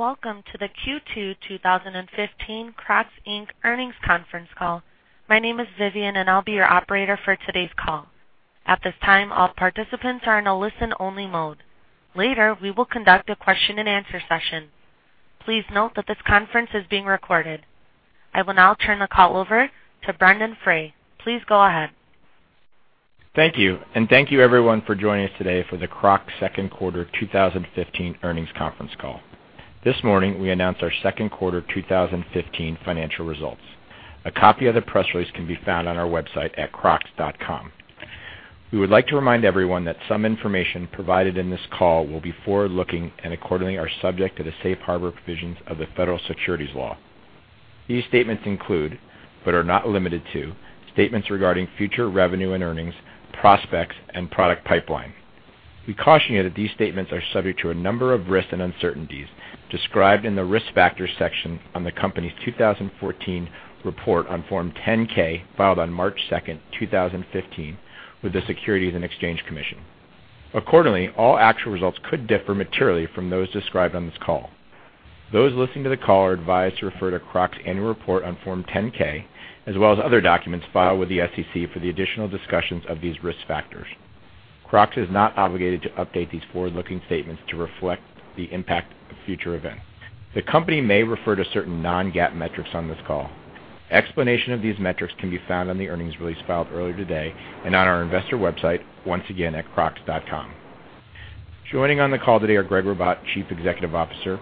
Welcome to the Q2 2015 Crocs, Inc. earnings conference call. My name is Vivian, and I'll be your operator for today's call. At this time, all participants are in a listen-only mode. Later, we will conduct a question and answer session. Please note that this conference is being recorded. I will now turn the call over to Brendon Frey. Please go ahead. Thank you, thank you, everyone, for joining us today for the Crocs second quarter 2015 earnings conference call. This morning, we announced our second quarter 2015 financial results. A copy of the press release can be found on our website at crocs.com. We would like to remind everyone that some information provided in this call will be forward-looking and accordingly are subject to the safe harbor provisions of the Federal Securities Law. These statements include, but are not limited to, statements regarding future revenue and earnings, prospects, and product pipeline. We caution you that these statements are subject to a number of risks and uncertainties described in the Risk Factors section on the company's 2014 report on Form 10-K, filed on March 2nd, 2015, with the Securities and Exchange Commission. Accordingly, all actual results could differ materially from those described on this call. Those listening to the call are advised to refer to Crocs' Annual Report on Form 10-K, as well as other documents filed with the SEC for the additional discussions of these risk factors. Crocs is not obligated to update these forward-looking statements to reflect the impact of future events. The company may refer to certain non-GAAP metrics on this call. Explanation of these metrics can be found on the earnings release filed earlier today and on our investor website, once again, at crocs.com. Joining on the call today are Gregg Ribatt, Chief Executive Officer;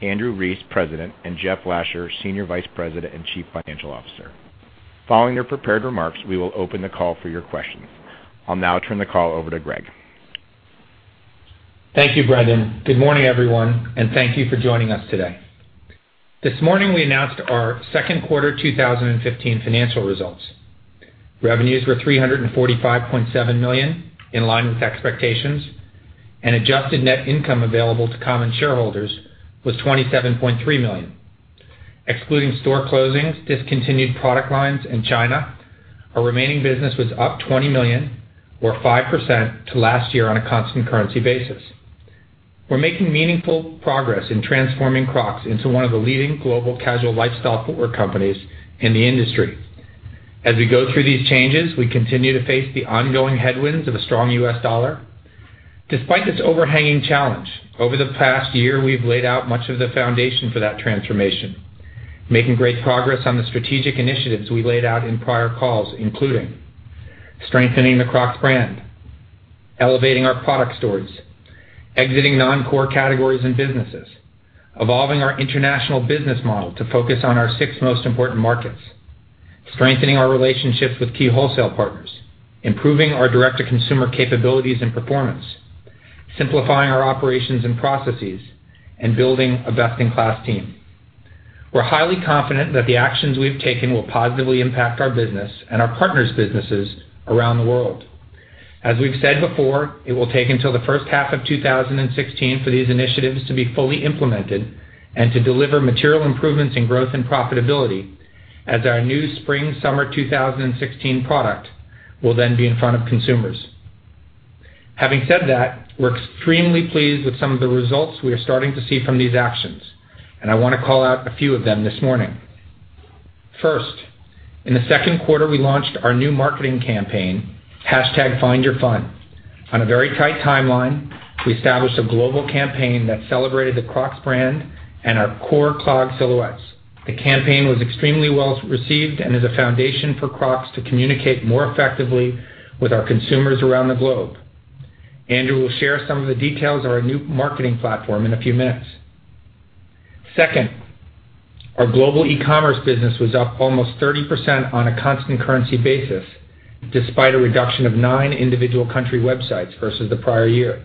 Andrew Rees, President; and Jeff Lasher, Senior Vice President and Chief Financial Officer. Following their prepared remarks, we will open the call for your questions. I'll now turn the call over to Gregg. Thank you, Brendon. Good morning, everyone, thank you for joining us today. This morning, we announced our second quarter 2015 financial results. Revenues were $345.7 million, in line with expectations, and adjusted net income available to common shareholders was $27.3 million. Excluding store closings, discontinued product lines in China, our remaining business was up $20 million, or 5%, to last year on a constant currency basis. We're making meaningful progress in transforming Crocs into one of the leading global casual lifestyle footwear companies in the industry. As we go through these changes, we continue to face the ongoing headwinds of a strong U.S. dollar. Despite this overhanging challenge, over the past year, we've laid out much of the foundation for that transformation, making great progress on the strategic initiatives we laid out in prior calls, including strengthening the Crocs brand, elevating our product stories, exiting non-core categories and businesses, evolving our international business model to focus on our six most important markets, strengthening our relationships with key wholesale partners, improving our direct-to-consumer capabilities and performance, simplifying our operations and processes, and building a best-in-class team. We're highly confident that the actions we've taken will positively impact our business and our partners' businesses around the world. As we've said before, it will take until the first half of 2016 for these initiatives to be fully implemented and to deliver material improvements in growth and profitability as our new spring/summer 2016 product will then be in front of consumers. Having said that, we're extremely pleased with some of the results we are starting to see from these actions. I want to call out a few of them this morning. First, in the second quarter, we launched our new marketing campaign, #FindYourFun. On a very tight timeline, we established a global campaign that celebrated the Crocs brand and our core clog silhouettes. The campaign was extremely well received and is a foundation for Crocs to communicate more effectively with our consumers around the globe. Andrew will share some of the details of our new marketing platform in a few minutes. Second, our global e-commerce business was up almost 30% on a constant currency basis, despite a reduction of nine individual country websites versus the prior year.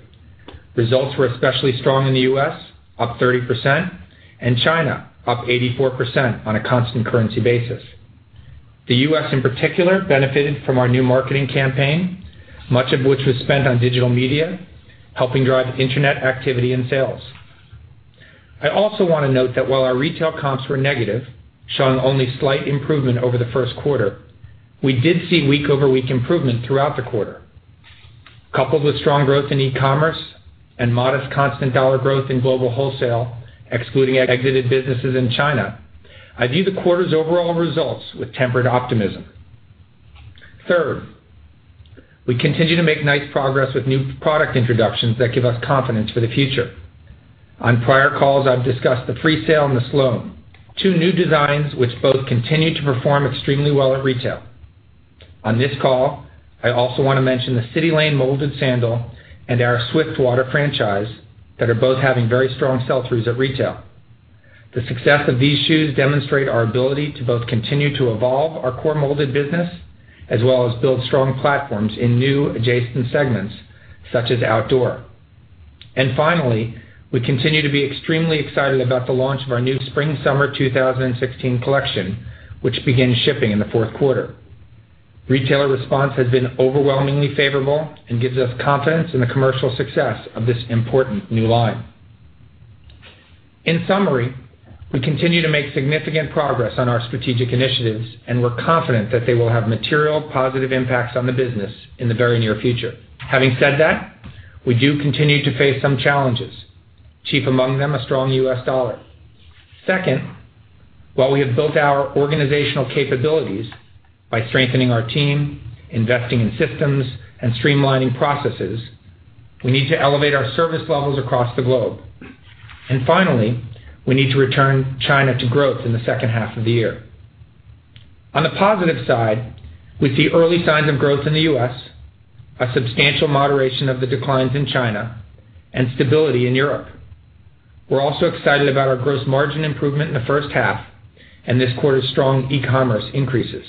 Results were especially strong in the U.S., up 30%, and China, up 84% on a constant currency basis. The U.S., in particular, benefited from our new marketing campaign, much of which was spent on digital media, helping drive internet activity and sales. I also want to note that while our retail comps were negative, showing only slight improvement over the first quarter, we did see week-over-week improvement throughout the quarter. Coupled with strong growth in e-commerce and modest constant dollar growth in global wholesale, excluding exited businesses in China, I view the quarter's overall results with tempered optimism. Third, we continue to make nice progress with new product introductions that give us confidence for the future. On prior calls, I've discussed the Freesail and the Sloane, two new designs which both continue to perform extremely well at retail. On this call, I also want to mention the CitiLane molded sandal and our Swiftwater franchise that are both having very strong sell-throughs at retail. The success of these shoes demonstrate our ability to both continue to evolve our core molded business as well as build strong platforms in new adjacent segments such as outdoor. Finally, we continue to be extremely excited about the launch of our new spring/summer 2016 collection, which begins shipping in the fourth quarter. Retailer response has been overwhelmingly favorable and gives us confidence in the commercial success of this important new line. In summary, we continue to make significant progress on our strategic initiatives, and we're confident that they will have material positive impacts on the business in the very near future. Having said that, we do continue to face some challenges, chief among them, a strong U.S. dollar. Second, while we have built our organizational capabilities by strengthening our team, investing in systems, and streamlining processes, we need to elevate our service levels across the globe. Finally, we need to return China to growth in the second half of the year. On the positive side, we see early signs of growth in the U.S., a substantial moderation of the declines in China, and stability in Europe. We're also excited about our gross margin improvement in the first half and this quarter's strong e-commerce increases.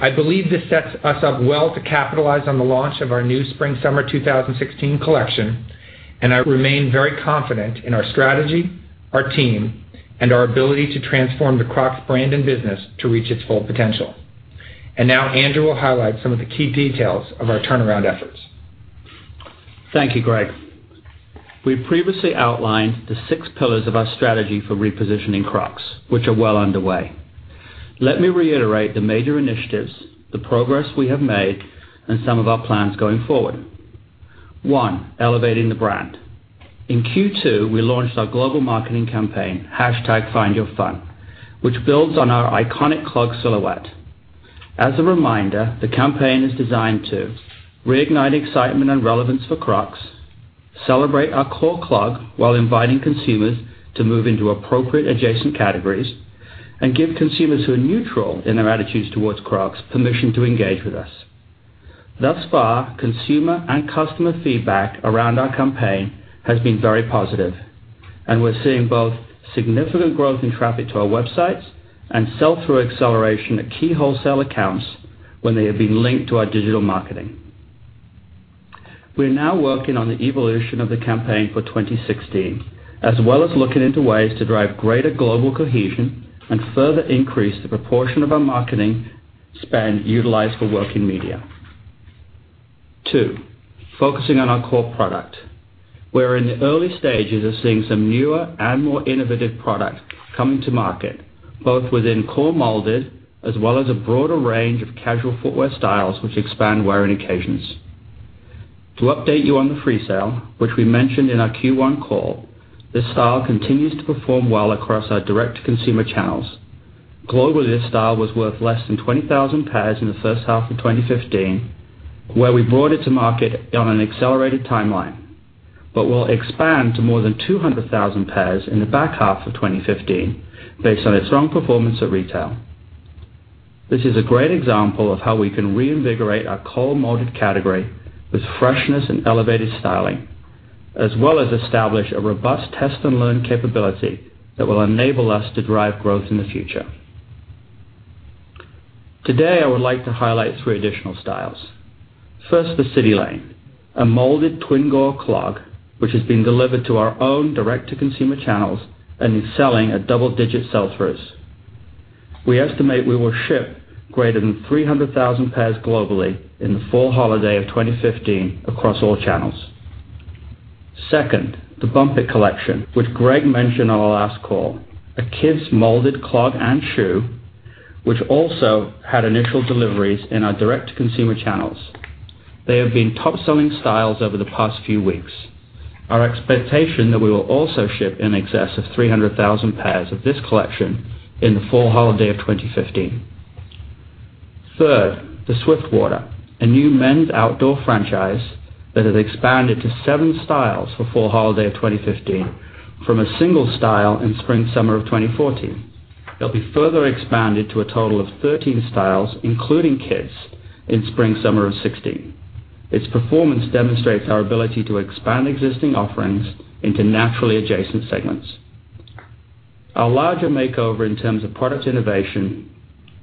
I believe this sets us up well to capitalize on the launch of our new spring/summer 2016 collection, and I remain very confident in our strategy, our team, and our ability to transform the Crocs brand and business to reach its full potential. Now Andrew will highlight some of the key details of our turnaround efforts. Thank you, Greg. We previously outlined the six pillars of our strategy for repositioning Crocs, which are well underway. Let me reiterate the major initiatives, the progress we have made, and some of our plans going forward. One, elevating the brand. In Q2, we launched our global marketing campaign, #FindYourFun, which builds on our iconic clog silhouette. As a reminder, the campaign is designed to reignite excitement and relevance for Crocs, celebrate our core clog while inviting consumers to move into appropriate adjacent categories, and give consumers who are neutral in their attitudes towards Crocs permission to engage with us. Thus far, consumer and customer feedback around our campaign has been very positive, and we're seeing both significant growth in traffic to our websites and sell-through acceleration at key wholesale accounts when they have been linked to our digital marketing. We are now working on the evolution of the campaign for 2016, as well as looking into ways to drive greater global cohesion and further increase the proportion of our marketing spend utilized for working media. Two, focusing on our core product. We're in the early stages of seeing some newer and more innovative product coming to market, both within core molded as well as a broader range of casual footwear styles which expand wearing occasions. To update you on the Freesail, which we mentioned in our Q1 call, this style continues to perform well across our direct-to-consumer channels. Globally, this style was worth less than 20,000 pairs in the first half of 2015, where we brought it to market on an accelerated timeline. We'll expand to more than 200,000 pairs in the back half of 2015 based on its strong performance at retail. This is a great example of how we can reinvigorate our core molded category with freshness and elevated styling, as well as establish a robust test-and-learn capability that will enable us to drive growth in the future. Today, I would like to highlight three additional styles. First, the CitiLane, a molded twin-gore clog, which is being delivered to our own direct-to-consumer channels and is selling at double-digit sell-throughs. We estimate we will ship greater than 300,000 pairs globally in the fall holiday of 2015 across all channels. Second, the Bump It collection, which Greg mentioned on our last call. A kids molded clog and shoe, which also had initial deliveries in our direct-to-consumer channels. They have been top-selling styles over the past few weeks. Our expectation that we will also ship in excess of 300,000 pairs of this collection in the fall holiday of 2015. Third, the Swiftwater, a new men's outdoor franchise that has expanded to seven styles for fall holiday of 2015 from a single style in spring/summer of 2014. It'll be further expanded to a total of 13 styles, including kids, in spring/summer of 2016. Its performance demonstrates our ability to expand existing offerings into naturally adjacent segments. Our larger makeover in terms of product innovation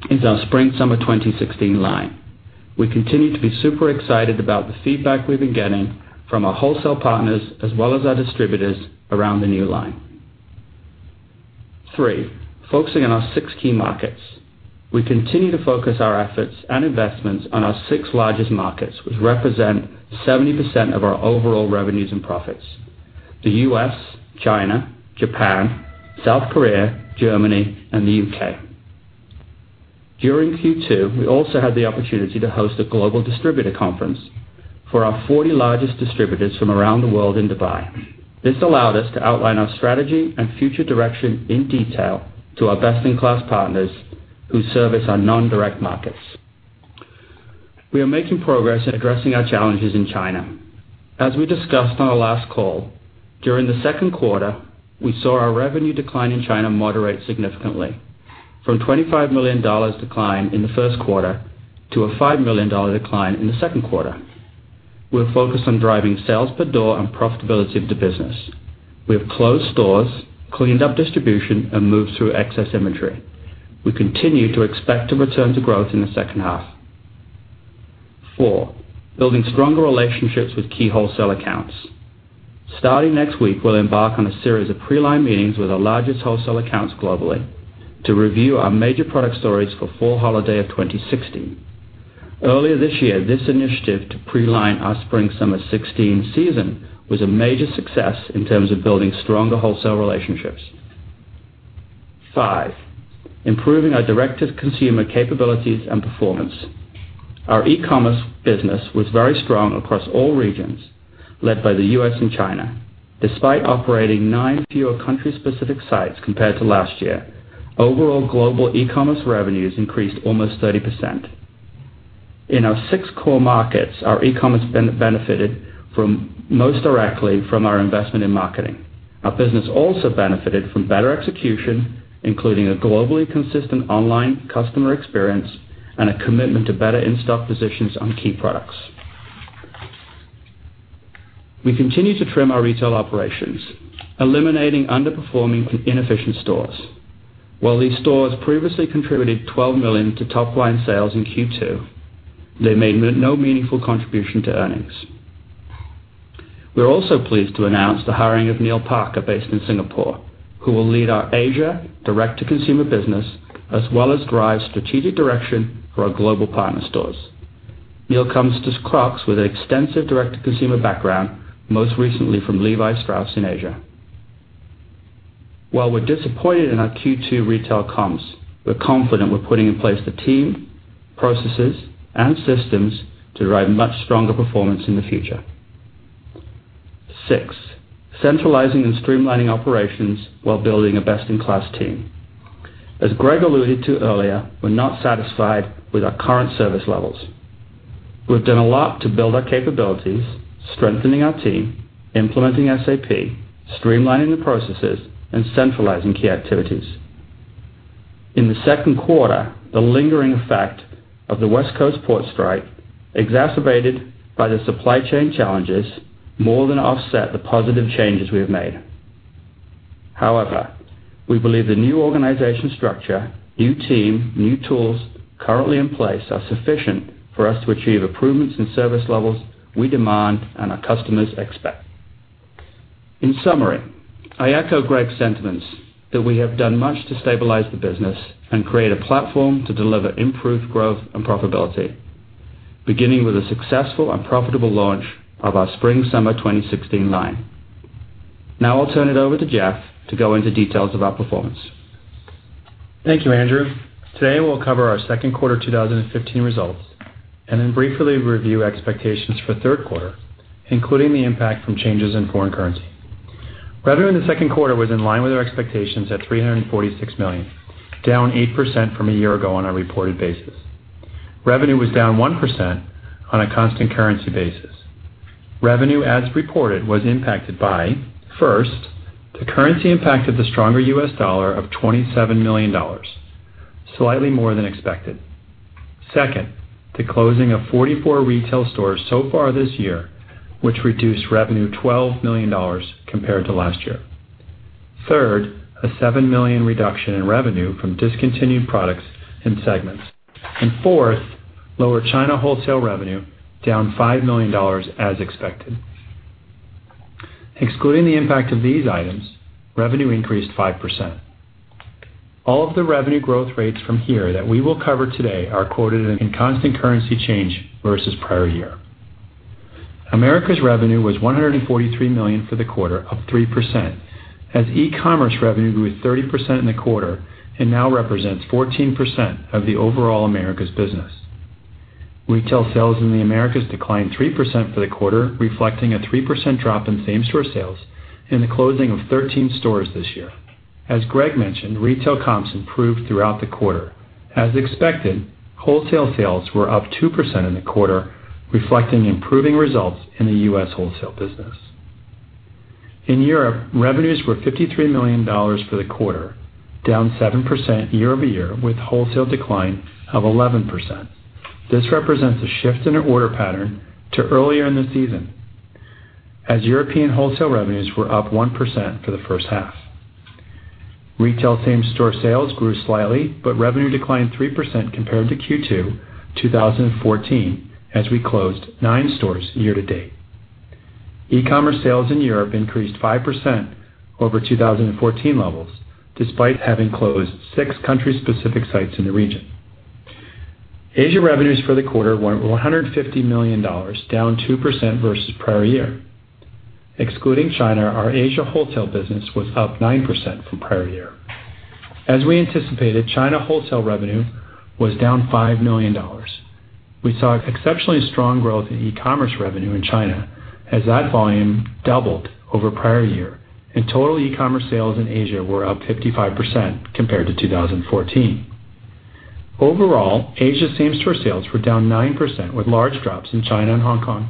is our spring/summer 2016 line. We continue to be super excited about the feedback we've been getting from our wholesale partners, as well as our distributors around the new line. Three, focusing on our six key markets. We continue to focus our efforts and investments on our six largest markets, which represent 70% of our overall revenues and profits. The U.S., China, Japan, South Korea, Germany, and the U.K. During Q2, we also had the opportunity to host a global distributor conference for our 40 largest distributors from around the world in Dubai. This allowed us to outline our strategy and future direction in detail to our best-in-class partners who service our non-direct markets. We are making progress in addressing our challenges in China. As we discussed on our last call, during the second quarter, we saw our revenue decline in China moderate significantly from a $25 million decline in the first quarter to a $5 million decline in the second quarter. We're focused on driving sales per door and profitability of the business. We have closed stores, cleaned up distribution, and moved through excess inventory. We continue to expect to return to growth in the second half. Four, building stronger relationships with key wholesale accounts. Starting next week, we'll embark on a series of pre-line meetings with our largest wholesale accounts globally to review our major product stories for fall holiday of 2016. Earlier this year, this initiative to pre-line our spring-summer 2016 season was a major success in terms of building stronger wholesale relationships. Five, improving our direct-to-consumer capabilities and performance. Our e-commerce business was very strong across all regions, led by the U.S. and China. Despite operating nine fewer country-specific sites compared to last year, overall global e-commerce revenues increased almost 30%. In our six core markets, our e-commerce benefited most directly from our investment in marketing. Our business also benefited from better execution, including a globally consistent online customer experience and a commitment to better in-stock positions on key products. We continue to trim our retail operations, eliminating underperforming inefficient stores. While these stores previously contributed $12 million to top-line sales in Q2, they made no meaningful contribution to earnings. We are also pleased to announce the hiring of Neil Parker, based in Singapore, who will lead our Asia direct-to-consumer business, as well as drive strategic direction for our global partner stores. Neil comes to Crocs with an extensive direct-to-consumer background, most recently from Levi Strauss in Asia. While we're disappointed in our Q2 retail comps, we're confident we're putting in place the team, processes, and systems to drive much stronger performance in the future. Six, centralizing and streamlining operations while building a best-in-class team. As Gregg alluded to earlier, we're not satisfied with our current service levels. We've done a lot to build our capabilities, strengthening our team, implementing SAP, streamlining the processes, and centralizing key activities. In the second quarter, the lingering effect of the West Coast port strike, exacerbated by the supply chain challenges, more than offset the positive changes we have made. However, we believe the new organization structure, new team, new tools currently in place are sufficient for us to achieve improvements in service levels we demand and our customers expect. In summary, I echo Gregg's sentiments that we have done much to stabilize the business and create a platform to deliver improved growth and profitability, beginning with a successful and profitable launch of our spring-summer 2016 line. Now I'll turn it over to Jeff to go into details of our performance. Thank you, Andrew. Today, we'll cover our second quarter 2015 results, then briefly review expectations for third quarter, including the impact from changes in foreign currency. Revenue in the second quarter was in line with our expectations at $346 million, down 8% from a year ago on a reported basis. Revenue was down 1% on a constant currency basis. Revenue, as reported, was impacted by, first, the currency impact of the stronger U.S. dollar of $27 million, slightly more than expected. Second, the closing of 44 retail stores so far this year, which reduced revenue $12 million compared to last year. Third, a $7 million reduction in revenue from discontinued products and segments. Fourth, lower China wholesale revenue, down $5 million as expected. Excluding the impact of these items, revenue increased 5%. All of the revenue growth rates from here that we will cover today are quoted in constant currency change versus prior year. Americas revenue was $143 million for the quarter, up 3%, as e-commerce revenue grew 30% in the quarter and now represents 14% of the overall Americas business. Retail sales in the Americas declined 3% for the quarter, reflecting a 3% drop in same-store sales and the closing of 13 stores this year. As Gregg mentioned, retail comps improved throughout the quarter. As expected, wholesale sales were up 2% in the quarter, reflecting improving results in the U.S. wholesale business. In Europe, revenues were $53 million for the quarter, down 7% year-over-year, with wholesale decline of 11%. This represents a shift in the order pattern to earlier in the season, as European wholesale revenues were up 1% for the first half. Retail same-store sales grew slightly, revenue declined 3% compared to Q2 2014, as we closed nine stores year to date. E-commerce sales in Europe increased 5% over 2014 levels, despite having closed six country-specific sites in the region. Asia revenues for the quarter were $150 million, down 2% versus prior year. Excluding China, our Asia wholesale business was up 9% from prior year. As we anticipated, China wholesale revenue was down $5 million. We saw exceptionally strong growth in e-commerce revenue in China as that volume doubled over prior year, and total e-commerce sales in Asia were up 55% compared to 2014. Overall, Asia same-store sales were down 9%, with large drops in China and Hong Kong.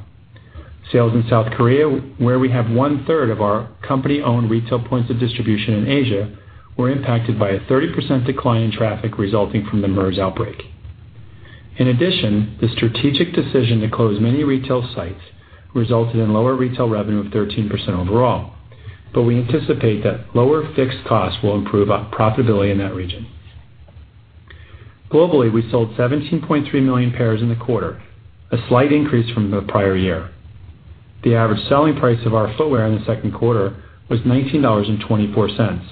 Sales in South Korea, where we have one-third of our company-owned retail points of distribution in Asia, were impacted by a 30% decline in traffic resulting from the MERS outbreak. In addition, the strategic decision to close many retail sites resulted in lower retail revenue of 13% overall, but we anticipate that lower fixed costs will improve our profitability in that region. Globally, we sold 17.3 million pairs in the quarter, a slight increase from the prior year. The average selling price of our footwear in the second quarter was $19.24.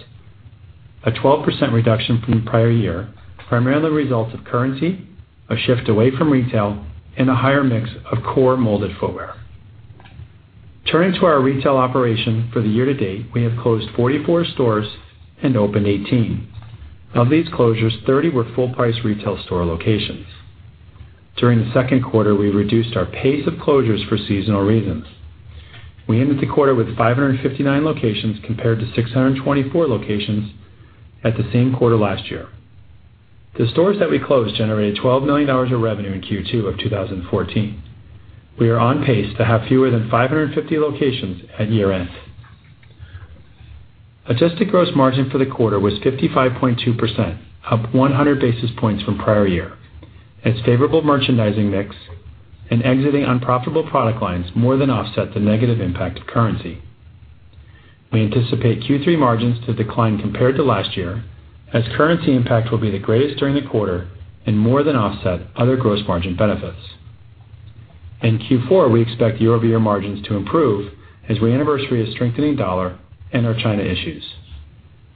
A 12% reduction from the prior year, primarily the result of currency, a shift away from retail, and a higher mix of core molded footwear. Turning to our retail operation for the year to date, we have closed 44 stores and opened 18. Of these closures, 30 were full-price retail store locations. During the second quarter, we reduced our pace of closures for seasonal reasons. We ended the quarter with 559 locations compared to 624 locations at the same quarter last year. The stores that we closed generated $12 million of revenue in Q2 of 2014. We are on pace to have fewer than 550 locations at year-end. Adjusted gross margin for the quarter was 55.2%, up 100 basis points from prior year. Its favorable merchandising mix and exiting unprofitable product lines more than offset the negative impact of currency. We anticipate Q3 margins to decline compared to last year, as currency impact will be the greatest during the quarter and more than offset other gross margin benefits. In Q4, we expect year-over-year margins to improve as we anniversary a strengthening dollar and our China issues.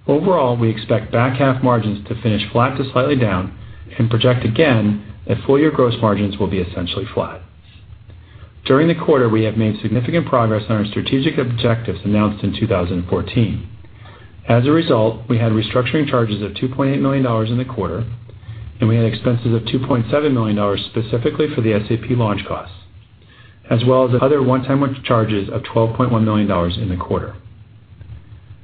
Overall, we expect back half margins to finish flat to slightly down and project again that full-year gross margins will be essentially flat. During the quarter, we have made significant progress on our strategic objectives announced in 2014. As a result, we had restructuring charges of $2.8 million in the quarter, and we had expenses of $2.7 million, specifically for the SAP launch costs, as well as other one-time charges of $12.1 million in the quarter.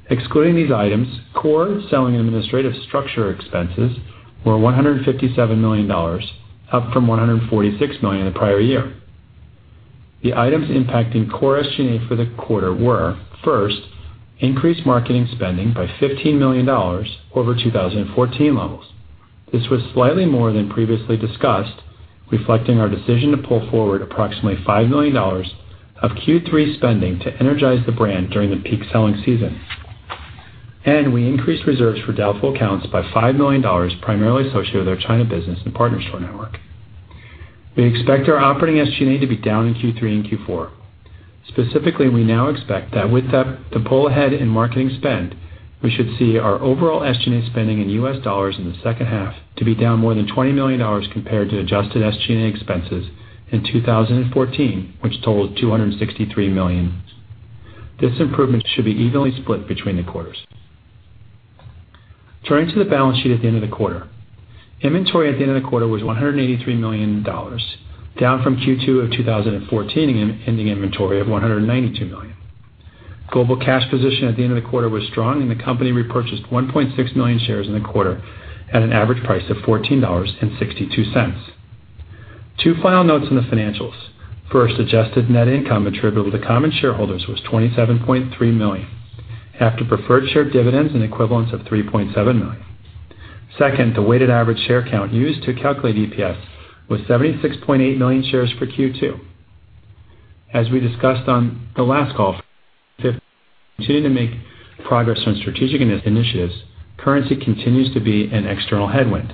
Excluding these items, core selling administrative structure expenses were $157 million, up from $146 million the prior year. The items impacting core SG&A for the quarter were, first, increased marketing spending by $15 million over 2014 levels. This was slightly more than previously discussed, reflecting our decision to pull forward approximately $5 million of Q3 spending to energize the brand during the peak selling season. We increased reserves for doubtful accounts by $5 million, primarily associated with our China business and partner store network. We expect our operating SG&A to be down in Q3 and Q4. Specifically, we now expect that with the pull ahead in marketing spend, we should see our overall SG&A spending in US dollars in the second half to be down more than $20 million compared to adjusted SG&A expenses in 2014, which totaled $263 million. This improvement should be evenly split between the quarters. Turning to the balance sheet at the end of the quarter. Inventory at the end of the quarter was $183 million, down from Q2 of 2014 ending inventory of $192 million. Global cash position at the end of the quarter was strong, and the company repurchased 1.6 million shares in the quarter at an average price of $14.62. Two final notes on the financials. First, adjusted net income attributable to common shareholders was $27.3 million after preferred share dividends and equivalents of $3.7 million. Second, the weighted average share count used to calculate EPS was 76.8 million shares for Q2. As we discussed on the last call, we continue to make progress on strategic initiatives. Currency continues to be an external headwind.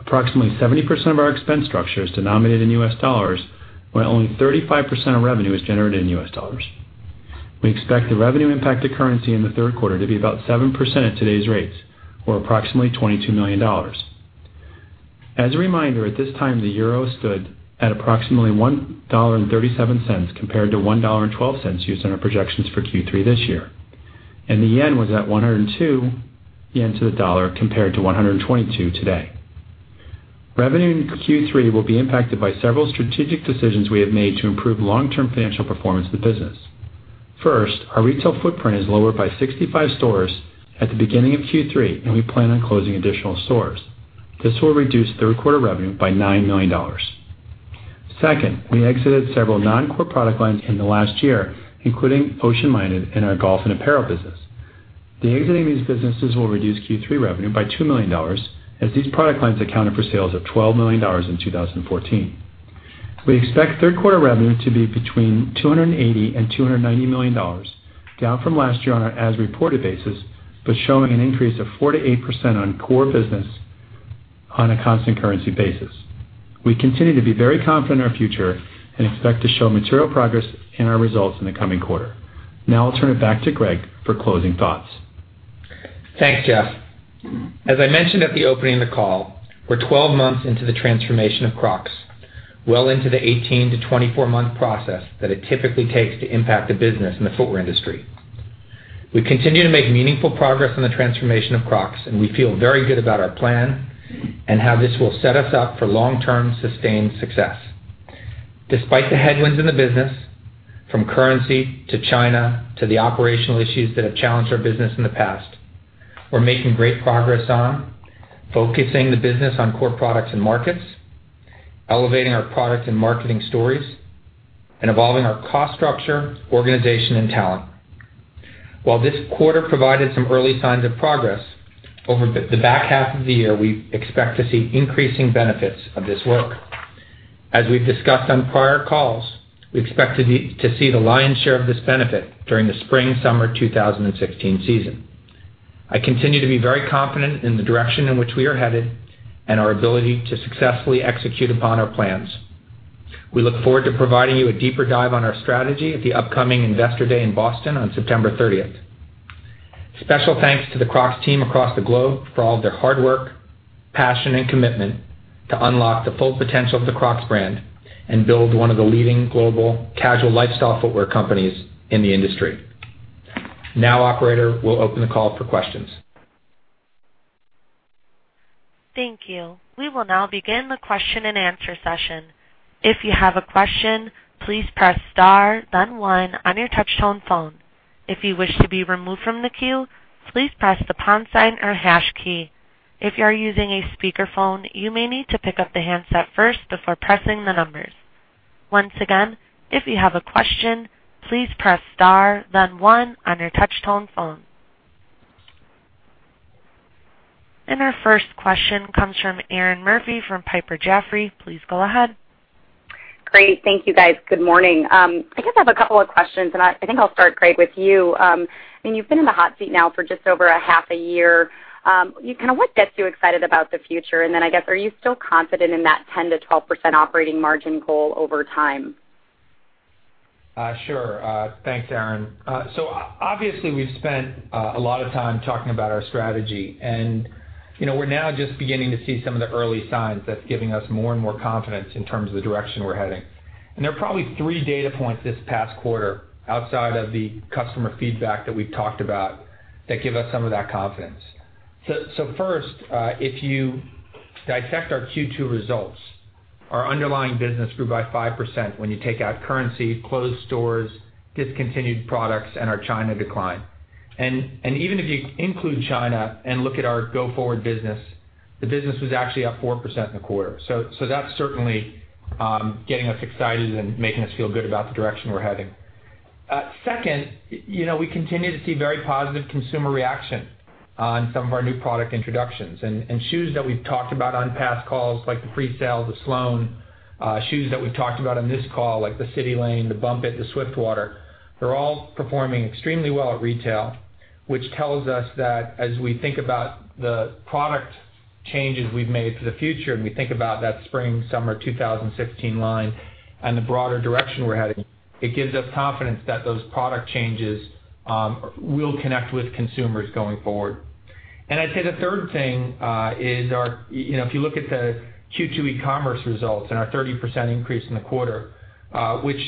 Approximately 70% of our expense structure is denominated in US dollars, while only 35% of revenue is generated in US dollars. We expect the revenue impact of currency in the third quarter to be about 7% at today's rates, or approximately $22 million. As a reminder, at this time, the euro stood at approximately $1.37 compared to $1.12 used in our projections for Q3 this year. The yen was at 102 yen to the dollar, compared to 122 today. Revenue in Q3 will be impacted by several strategic decisions we have made to improve long-term financial performance of the business. First, our retail footprint is lower by 65 stores at the beginning of Q3, and we plan on closing additional stores. This will reduce third quarter revenue by $9 million. Second, we exited several non-core product lines in the last year, including Ocean Minded and our golf and apparel business. The exiting of these businesses will reduce Q3 revenue by $2 million, as these product lines accounted for sales of $12 million in 2014. We expect third quarter revenue to be between $280 million-$290 million, down from last year on an as-reported basis, but showing an increase of 4%-8% on core business on a constant currency basis. We continue to be very confident in our future and expect to show material progress in our results in the coming quarter. Now I'll turn it back to Gregg for closing thoughts. Thanks, Jeff. As I mentioned at the opening of the call, we're 12 months into the transformation of Crocs, well into the 18-24-month process that it typically takes to impact a business in the footwear industry. We continue to make meaningful progress on the transformation of Crocs, and we feel very good about our plan and how this will set us up for long-term, sustained success. Despite the headwinds in the business, from currency to China to the operational issues that have challenged our business in the past, we're making great progress on focusing the business on core products and markets, elevating our product and marketing stories, and evolving our cost structure, organization, and talent. While this quarter provided some early signs of progress, over the back half of the year, we expect to see increasing benefits of this work. As we've discussed on prior calls, we expect to see the lion's share of this benefit during the spring/summer 2016 season. I continue to be very confident in the direction in which we are headed and our ability to successfully execute upon our plans. We look forward to providing you a deeper dive on our strategy at the upcoming Investor Day in Boston on September 30th. Special thanks to the Crocs team across the globe for all of their hard work, passion, and commitment to unlock the full potential of the Crocs brand and build one of the leading global casual lifestyle footwear companies in the industry. Operator, we'll open the call for questions. Thank you. We will now begin the question and answer session. If you have a question, please press star then one on your touch tone phone. If you wish to be removed from the queue, please press the pound sign or hash key. If you are using a speakerphone, you may need to pick up the handset first before pressing the numbers. Once again, if you have a question, please press star then one on your touch tone phone. Our first question comes from Erinn Murphy from Piper Jaffray. Please go ahead. Great. Thank you, guys. Good morning. I guess I have a couple of questions, I think I'll start, Gregg, with you. You've been in the hot seat now for just over a half a year. What gets you excited about the future? I guess, are you still confident in that 10%-12% operating margin goal over time? Sure. Thanks, Erinn. Obviously, we've spent a lot of time talking about our strategy, we're now just beginning to see some of the early signs that's giving us more and more confidence in terms of the direction we're heading. There are probably three data points this past quarter, outside of the customer feedback that we've talked about, that give us some of that confidence. First, if you dissect our Q2 results, our underlying business grew by 5% when you take out currency, closed stores, discontinued products, and our China decline. Even if you include China and look at our go-forward business, the business was actually up 4% in the quarter. That's certainly getting us excited and making us feel good about the direction we're heading. Second, we continue to see very positive consumer reaction on some of our new product introductions. Shoes that we've talked about on past calls, like the Freesail, the Sloane. Shoes that we've talked about on this call, like the CitiLane, the Bump It, the Swiftwater. They're all performing extremely well at retail, which tells us that as we think about the product changes we've made for the future, and we think about that spring/summer 2016 line and the broader direction we're heading, it gives us confidence that those product changes will connect with consumers going forward. I'd say the third thing is if you look at the Q2 e-commerce results and our 30% increase in the quarter, which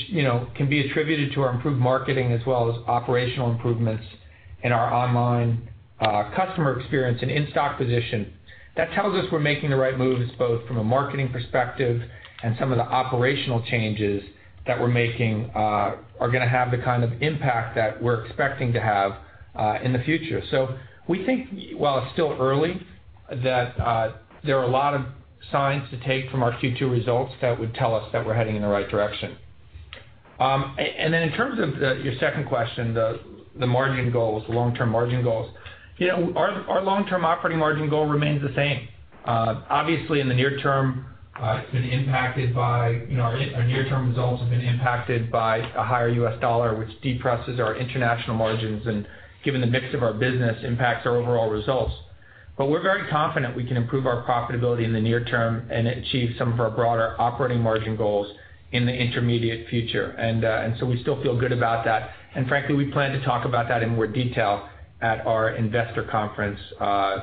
can be attributed to our improved marketing as well as operational improvements in our online customer experience and in-stock position. That tells us we're making the right moves, both from a marketing perspective and some of the operational changes that we're making are going to have the kind of impact that we're expecting to have in the future. We think, while it's still early, that there are a lot of signs to take from our Q2 results that would tell us that we're heading in the right direction. In terms of your second question, the margin goals, the long-term margin goals. Our long-term operating margin goal remains the same. Obviously, our near-term results have been impacted by a higher US dollar, which depresses our international margins and given the mix of our business, impacts our overall results. We're very confident we can improve our profitability in the near term and achieve some of our broader operating margin goals in the intermediate future. We still feel good about that. Frankly, we plan to talk about that in more detail at our investor conference,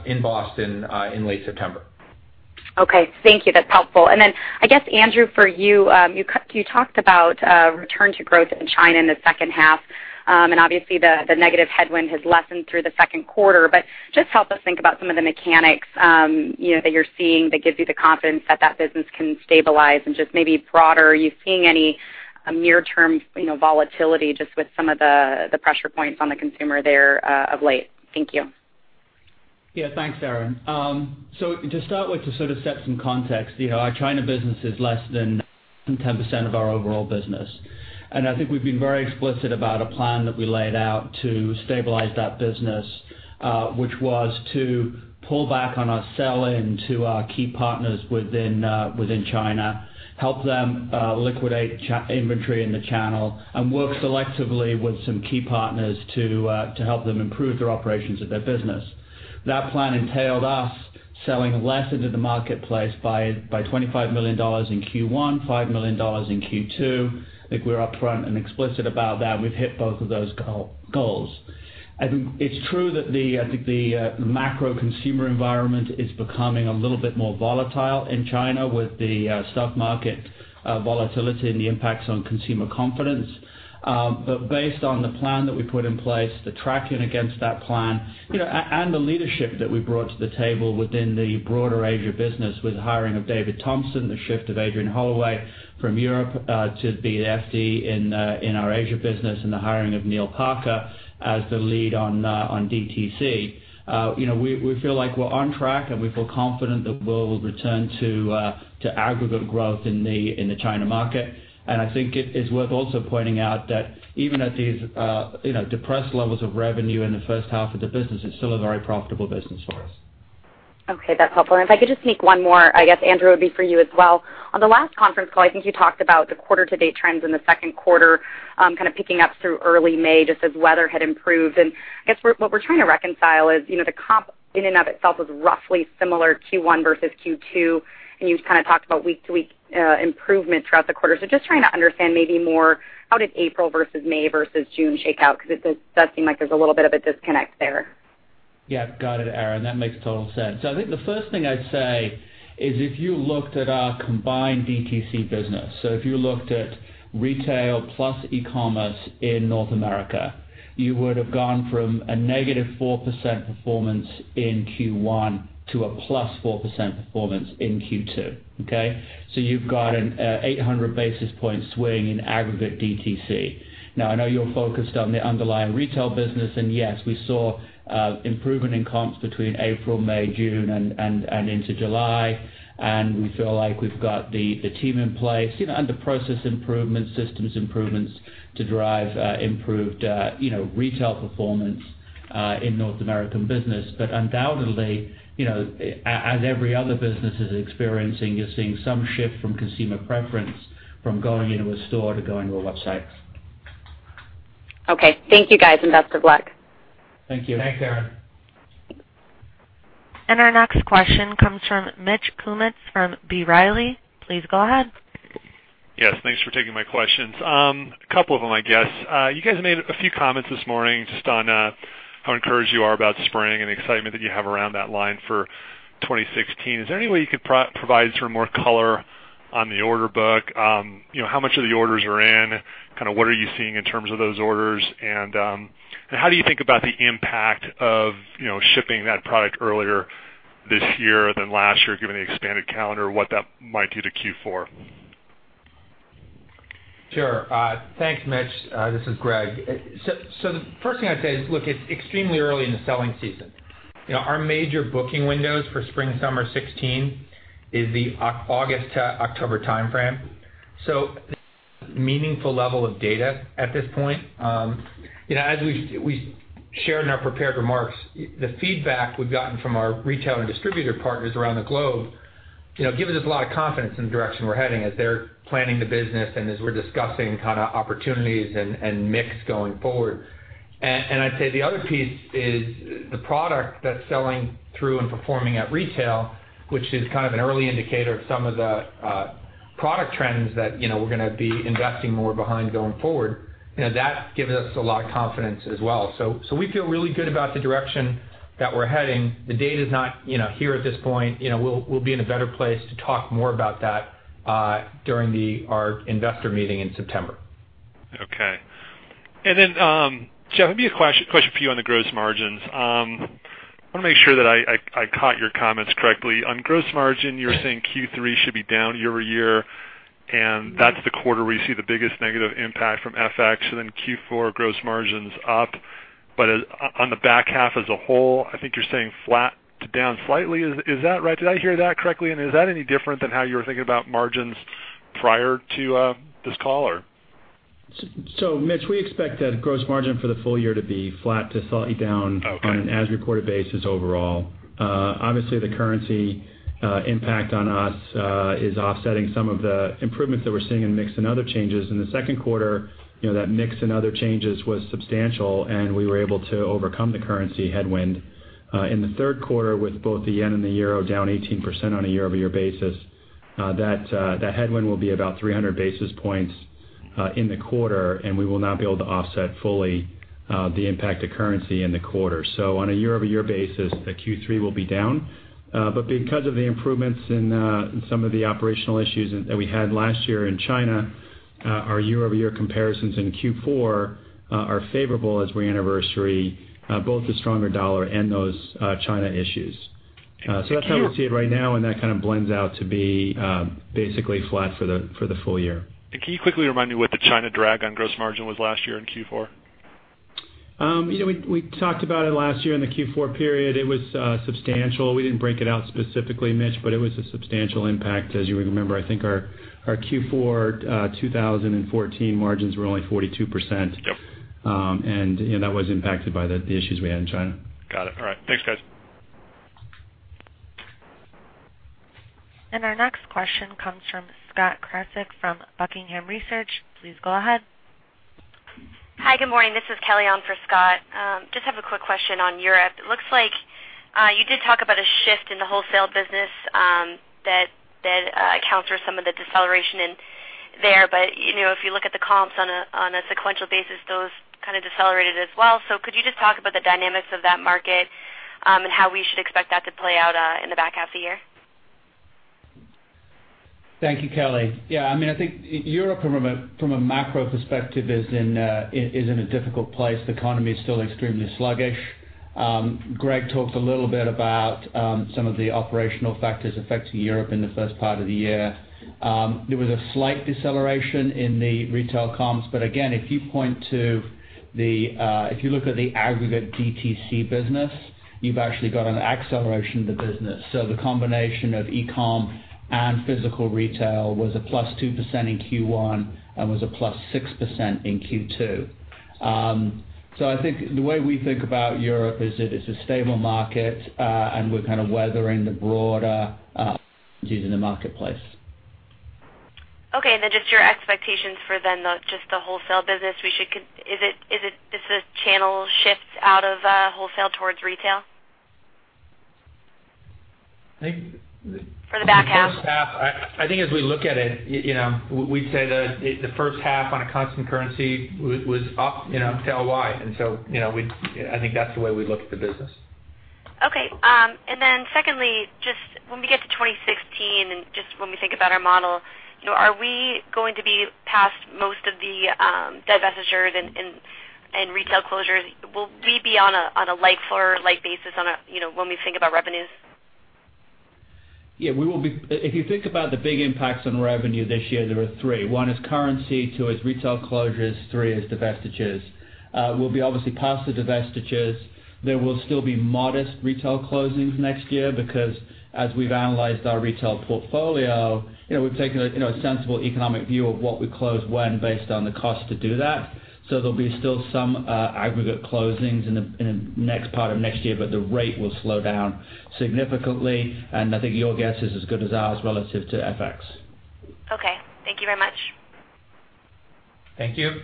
in Boston, in late September. Okay. Thank you. That's helpful. I guess, Andrew, for you talked about return to growth in China in the second half. Obviously, the negative headwind has lessened through the second quarter. Just help us think about some of the mechanics that you're seeing that gives you the confidence that that business can stabilize and just maybe broader. Are you seeing any near-term volatility just with some of the pressure points on the consumer there of late? Thank you. Thanks, Erinn. To start with, to sort of set some context, our China business is less than 10% of our overall business. I think we've been very explicit about a plan that we laid out to stabilize that business, which was to pull back on our sell-in to our key partners within China, help them liquidate inventory in the channel, and work selectively with some key partners to help them improve their operations of their business. That plan entailed us selling less into the marketplace by $25 million in Q1, $5 million in Q2. I think we're upfront and explicit about that. We've hit both of those goals. I think it's true that the macro consumer environment is becoming a little bit more volatile in China with the stock market volatility and the impacts on consumer confidence. Based on the plan that we put in place, the tracking against that plan, and the leadership that we brought to the table within the broader Asia business with the hiring of David Thompson, the shift of Adrian Holloway from Europe, to be the FD in our Asia business, and the hiring of Neil Parker as the lead on DTC. We feel like we're on track, and we feel confident that we'll return to aggregate growth in the China market. I think it is worth also pointing out that even at these depressed levels of revenue in the first half of the business, it's still a very profitable business for us. Okay, that's helpful. If I could just sneak one more, I guess, Andrew, it would be for you as well. On the last conference call, I think you talked about the quarter to date trends in the second quarter, kind of picking up through early May, just as weather had improved. I guess what we're trying to reconcile is, the comp in and of itself was roughly similar Q1 versus Q2, and you've kind of talked about week-to-week improvement throughout the quarter. Just trying to understand maybe more, how did April versus May versus June shake out, because it does seem like there's a little bit of a disconnect there. Yeah. Got it, Erinn. That makes total sense. I think the first thing I'd say is if you looked at our combined DTC business, so if you looked at retail plus e-commerce in North America, you would have gone from a negative 4% performance in Q1 to a plus 4% performance in Q2. Okay. You've got an 800 basis point swing in aggregate DTC. Now, I know you're focused on the underlying retail business, and yes, we saw improvement in comps between April, May, June, and into July. We feel like we've got the team in place, and the process improvements, systems improvements to drive improved retail performance in North American business. Undoubtedly, as every other business is experiencing, you're seeing some shift from consumer preference from going into a store to going to a website. Okay. Thank you guys, best of luck. Thank you. Thanks, Erinn. Our next question comes from Mitch Kummetz from B. Riley. Please go ahead. Yes, thanks for taking my questions. Couple of them, I guess. You guys made a few comments this morning just on how encouraged you are about spring and the excitement that you have around that line for 2016. Is there any way you could provide sort of more color on the order book? How much of the orders are in? What are you seeing in terms of those orders? How do you think about the impact of shipping that product earlier this year than last year, given the expanded calendar, what that might do to Q4? Sure. Thanks, Mitch. This is Gregg. The first thing I'd say is, look, it's extremely early in the selling season. Our major booking windows for spring/summer 2016 is the August to October timeframe. Meaningful level of data at this point. As we shared in our prepared remarks, the feedback we've gotten from our retail and distributor partners around the globe, gives us a lot of confidence in the direction we're heading as they're planning the business and as we're discussing kind of opportunities and mix going forward. I'd say the other piece is the product that's selling through and performing at retail, which is kind of an early indicator of some of the product trends that we're going to be investing more behind going forward. That gives us a lot of confidence as well. We feel really good about the direction that we're heading. The data is not here at this point. We'll be in a better place to talk more about that during our investor meeting in September. Okay. Jeff, maybe a question for you on the gross margins. I want to make sure that I caught your comments correctly. On gross margin, you were saying Q3 should be down year-over-year, that's the quarter where you see the biggest negative impact from FX, Q4 gross margins up. On the back half as a whole, I think you're saying flat to down slightly. Is that right? Did I hear that correctly? Is that any different than how you were thinking about margins prior to this call, or? Mitch, we expect that gross margin for the full year to be flat to slightly down. Okay On an as reported basis overall. Obviously, the currency impact on us is offsetting some of the improvements that we're seeing in mix and other changes. In the second quarter, that mix and other changes was substantial, and we were able to overcome the currency headwind. In the third quarter, with both the yen and the euro down 18% on a year-over-year basis, that headwind will be about 300 basis points in the quarter, and we will not be able to offset fully the impact of currency in the quarter. On a year-over-year basis, the Q3 will be down. Because of the improvements in some of the operational issues that we had last year in China, our year-over-year comparisons in Q4 are favorable as we anniversary both the stronger dollar and those China issues. That's how we see it right now, and that kind of blends out to be basically flat for the full year. Can you quickly remind me what the China drag on gross margin was last year in Q4? We talked about it last year in the Q4 period. It was substantial. We didn't break it out specifically, Mitch, but it was a substantial impact. As you remember, I think our Q4 2014 margins were only 42%. Yep. That was impacted by the issues we had in China. Got it. All right. Thanks, guys. Our next question comes from Scott Krasik from Buckingham Research. Please go ahead. Hi, good morning. This is Kelly on for Scott. Just have a quick question on Europe. It looks like you did talk about a shift in the wholesale business that accounts for some of the deceleration in there. If you look at the comps on a sequential basis, those kind of decelerated as well. Could you just talk about the dynamics of that market, and how we should expect that to play out in the back half of the year? Thank you, Kelly. I think Europe from a macro perspective is in a difficult place. The economy is still extremely sluggish. Gregg talked a little bit about some of the operational factors affecting Europe in the first part of the year. There was a slight deceleration in the retail comps, again, if you look at the aggregate DTC business, you've actually got an acceleration of the business. The combination of e-com and physical retail was a +2% in Q1 and was a +6% in Q2. I think the way we think about Europe is that it's a stable market, and we're kind of weathering the broader issues in the marketplace. Just your expectations for just the wholesale business. Is this a channel shift out of wholesale towards retail? I think- For the back half The first half, I think as we look at it, we'd say that the first half on a constant currency was up till Y. So, I think that's the way we look at the business. Okay. Then secondly, just when we get to 2016 and just when we think about our model, are we going to be past most of the divestitures and retail closures? Will we be on a like-for-like basis when we think about revenues? Yeah. If you think about the big impacts on revenue this year, there are three. One is currency, two is retail closures, three is divestitures. We'll be obviously past the divestitures. There will still be modest retail closings next year because as we've analyzed our retail portfolio, we've taken a sensible economic view of what we close when based on the cost to do that. There'll be still some aggregate closings in the next part of next year, but the rate will slow down significantly. I think your guess is as good as ours relative to FX. Okay. Thank you very much. Thank you.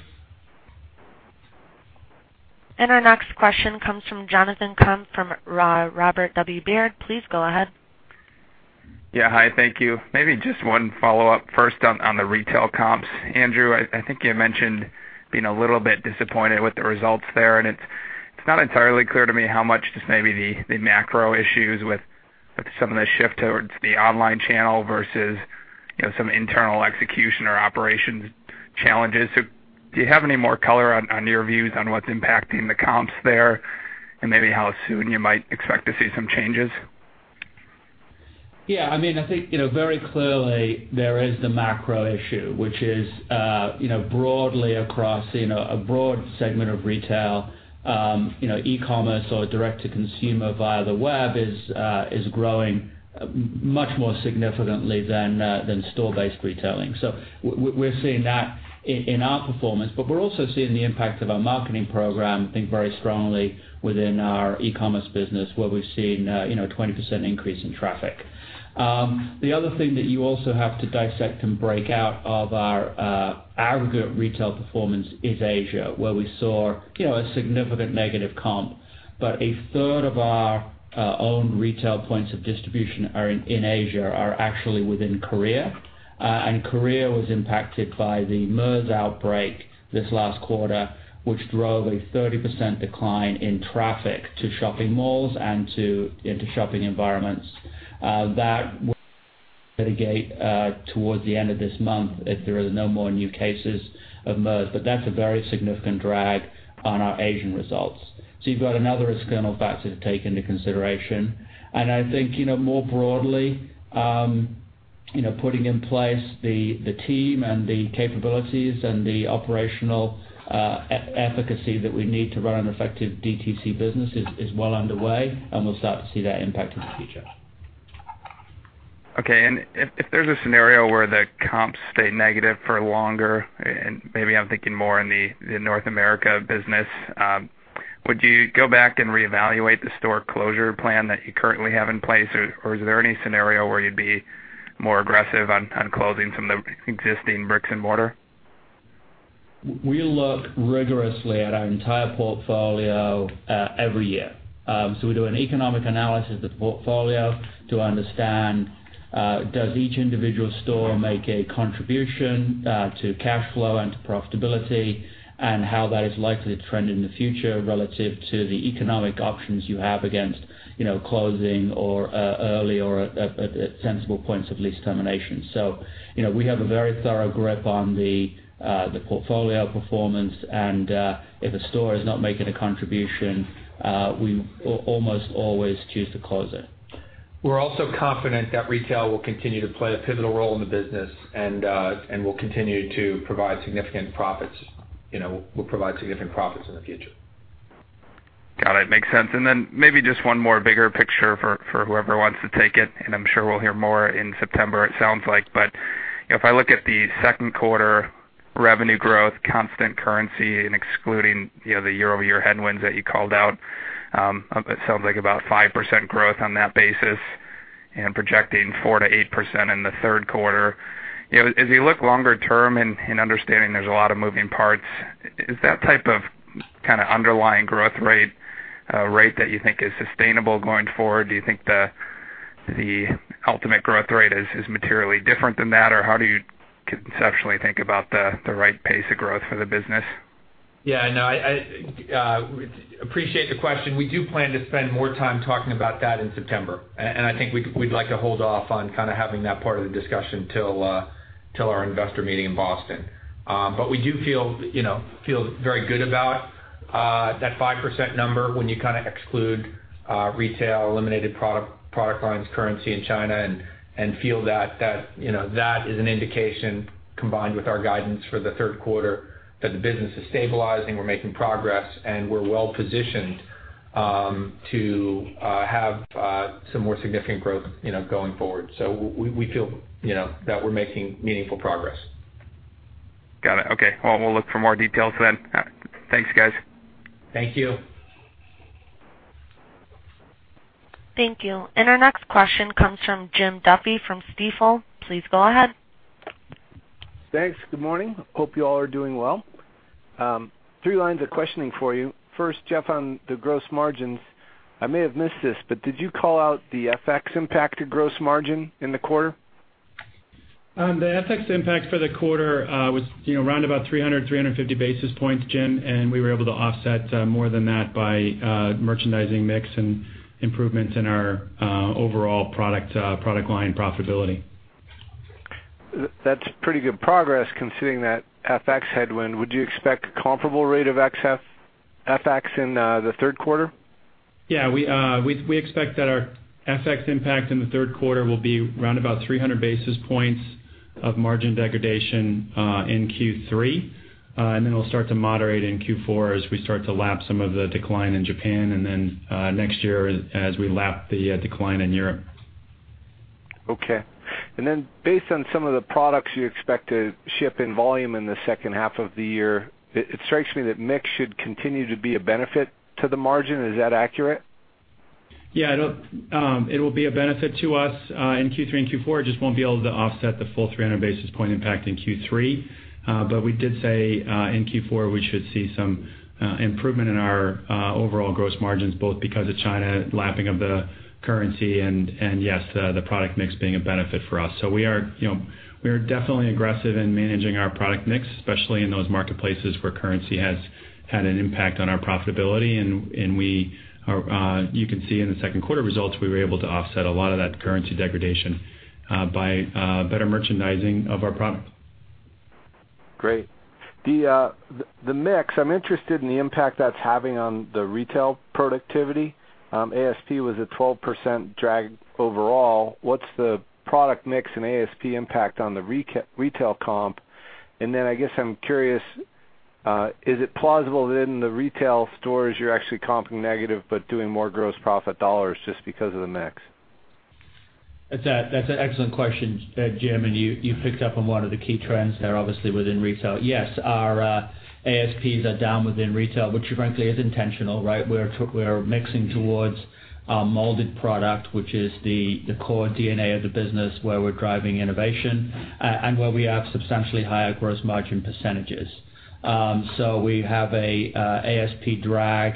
Our next question comes from Jonathan Komp from Robert W. Baird. Please go ahead. Yeah. Hi, thank you. Maybe just one follow-up first on the retail comps. Andrew, I think you mentioned being a little bit disappointed with the results there, and it's not entirely clear to me how much just maybe the macro issues with some of the shift towards the online channel versus some internal execution or operations challenges. Do you have any more color on your views on what's impacting the comps there and maybe how soon you might expect to see some changes? Yeah. I think very clearly there is the macro issue, which is broadly across a broad segment of retail, e-commerce or direct to consumer via the web is growing much more significantly than store-based retailing. We're seeing that in our performance, but we're also seeing the impact of our marketing program, I think very strongly within our e-commerce business where we've seen a 20% increase in traffic. The other thing that you also have to dissect and break out of our aggregate retail performance is Asia, where we saw a significant negative comp. A third of our own retail points of distribution in Asia are actually within Korea. Korea was impacted by the MERS outbreak this last quarter, which drove a 30% decline in traffic to shopping malls and into shopping environments. That will litigate towards the end of this month if there are no more new cases of MERS. That's a very significant drag on our Asian results. You've got another external factor to take into consideration. I think, more broadly, putting in place the team and the capabilities and the operational efficacy that we need to run an effective DTC business is well underway, and we'll start to see that impact in the future. Okay. If there's a scenario where the comps stay negative for longer, and maybe I'm thinking more in the North America business, would you go back and reevaluate the store closure plan that you currently have in place? Or is there any scenario where you'd be more aggressive on closing some of the existing bricks and mortar? We look rigorously at our entire portfolio every year. We do an economic analysis of the portfolio to understand, does each individual store make a contribution to cash flow and to profitability, and how that is likely to trend in the future relative to the economic options you have against closing or early or at sensible points of lease termination. We have a very thorough grip on the portfolio performance, and if a store is not making a contribution, we almost always choose to close it. We're also confident that retail will continue to play a pivotal role in the business and will continue to provide significant profits. Will provide significant profits in the future. Got it. Makes sense. Maybe just one more bigger picture for whoever wants to take it, and I'm sure we'll hear more in September it sounds like. If I look at the second quarter revenue growth, constant currency and excluding the year-over-year headwinds that you called out, it sounds like about 5% growth on that basis and projecting 4%-8% in the third quarter. As you look longer term and understanding there's a lot of moving parts, is that type of underlying growth rate a rate that you think is sustainable going forward? Do you think the ultimate growth rate is materially different than that? How do you conceptually think about the right pace of growth for the business? Yeah. No, I appreciate the question. We do plan to spend more time talking about that in September. I think we'd like to hold off on kind of having that part of the discussion till our investor meeting in Boston. We do feel very good about that 5% number when you kind of exclude retail, eliminated product lines, currency in China, and feel that is an indication, combined with our guidance for the third quarter, that the business is stabilizing, we're making progress, and we're well positioned to have some more significant growth going forward. We feel that we're making meaningful progress. Got it. Okay. Well, we'll look for more details then. Thanks, guys. Thank you. Thank you. Our next question comes from Jim Duffy from Stifel. Please go ahead. Thanks. Good morning. Hope you all are doing well. Three lines of questioning for you. First, Jeff, on the gross margins. I may have missed this, but did you call out the FX impact to gross margin in the quarter? The FX impact for the quarter was around about 300-350 basis points, Jim. We were able to offset more than that by merchandising mix and improvements in our overall product line profitability. That's pretty good progress considering that FX headwind. Would you expect a comparable rate of FX in the third quarter? Yeah. We expect that our FX impact in the third quarter will be around about 300 basis points of margin degradation in Q3. It'll start to moderate in Q4 as we start to lap some of the decline in Japan, next year, as we lap the decline in Europe. Okay. Based on some of the products you expect to ship in volume in the second half of the year, it strikes me that mix should continue to be a benefit to the margin. Is that accurate? Yeah. It will be a benefit to us in Q3 and Q4. It just won't be able to offset the full 300 basis point impact in Q3. We did say, in Q4, we should see some improvement in our overall gross margins, both because of China lapping of the currency and yes, the product mix being a benefit for us. We are definitely aggressive in managing our product mix, especially in those marketplaces where currency has had an impact on our profitability. You can see in the second quarter results, we were able to offset a lot of that currency degradation by better merchandising of our product. Great. The mix, I'm interested in the impact that's having on the retail productivity. ASP was a 12% drag overall. What's the product mix and ASP impact on the retail comp? Then, I guess I'm curious, is it plausible that in the retail stores, you're actually comping negative, but doing more gross profit dollars just because of the mix? That's an excellent question, Jim, and you picked up on one of the key trends there, obviously, within retail. Yes, our ASPs are down within retail, which frankly is intentional, right? We're mixing towards molded product, which is the core DNA of the business, where we're driving innovation, and where we have substantially higher gross margin percentages. We have a ASP drag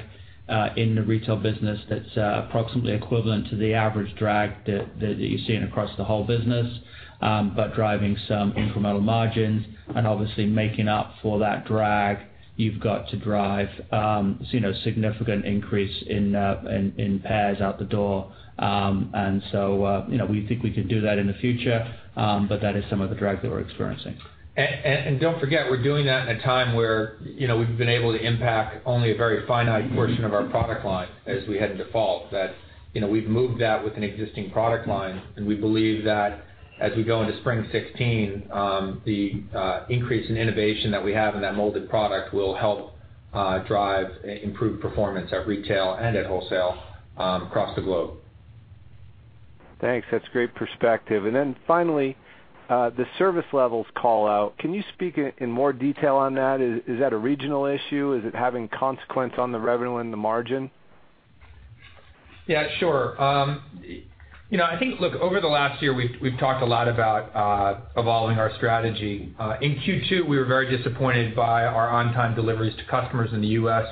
in the retail business that's approximately equivalent to the average drag that you're seeing across the whole business. Driving some incremental margins and obviously making up for that drag, you've got to drive significant increase in pairs out the door. We think we can do that in the future, but that is some of the drag that we're experiencing. Don't forget, we're doing that in a time where we've been able to impact only a very finite portion of our product line as we head into fall. That we've moved that with an existing product line, and we believe that as we go into spring 2016, the increase in innovation that we have in that molded product will help drive improved performance at retail and at wholesale across the globe. Thanks. That's great perspective. Finally, the service levels call out. Can you speak in more detail on that? Is that a regional issue? Is it having consequence on the revenue and the margin? Yeah, sure. I think, look, over the last year, we've talked a lot about evolving our strategy. In Q2, we were very disappointed by our on-time deliveries to customers in the U.S.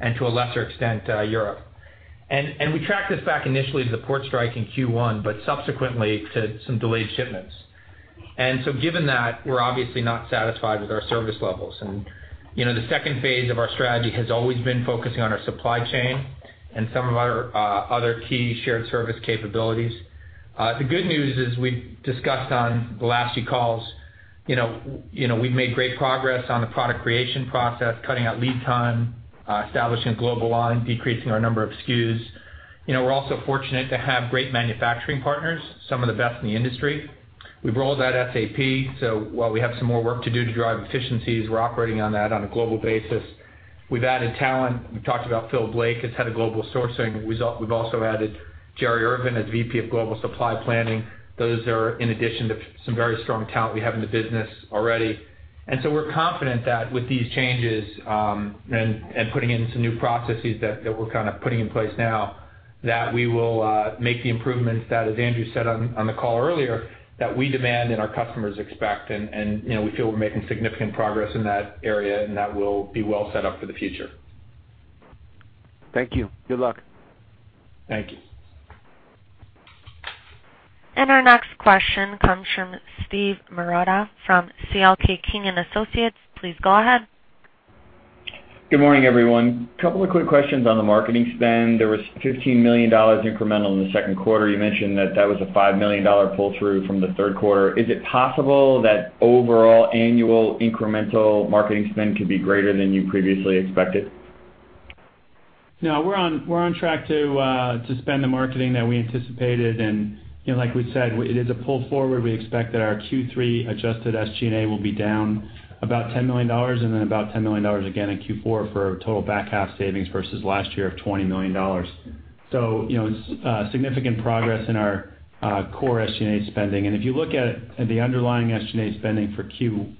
and to a lesser extent, Europe. We tracked this back initially to the port strike in Q1, but subsequently to some delayed shipments. Given that, we're obviously not satisfied with our service levels. The second phase of our strategy has always been focusing on our supply chain and some of our other key shared service capabilities. The good news is we've discussed on the last few calls, we've made great progress on the product creation process, cutting out lead time, establishing global line, decreasing our number of SKUs. We're also fortunate to have great manufacturing partners, some of the best in the industry. We've rolled out SAP, so while we have some more work to do to drive efficiencies, we're operating on that on a global basis. We've added talent. We've talked about Phil Blake as head of global sourcing. We've also added Jerry Irvin as VP of global supply planning. Those are in addition to some very strong talent we have in the business already. We're confident that with these changes, and putting in some new processes that we're kind of putting in place now, that we will make the improvements that, as Andrew said on the call earlier, that we demand and our customers expect. We feel we're making significant progress in that area, and that we'll be well set up for the future. Thank you. Good luck. Thank you. Our next question comes from Steve Marotta from CL King & Associates. Please go ahead. Good morning, everyone. Couple of quick questions on the marketing spend. There was $15 million incremental in the second quarter. You mentioned that that was a $5 million pull-through from the third quarter. Is it possible that overall annual incremental marketing spend could be greater than you previously expected? No, we're on track to spend the marketing that we anticipated. Like we said, it is a pull forward. We expect that our Q3 adjusted SG&A will be down about $10 million and then about $10 million again in Q4 for a total back half savings versus last year of $20 million. It's significant progress in our core SG&A spending. If you look at the underlying SG&A spending for Q2,